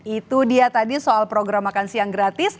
itu dia tadi soal program makan siang gratis